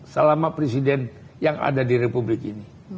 selama presiden yang ada di republik ini